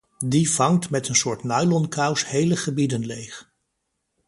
Die vangt met een soort nylonkous hele gebieden leeg.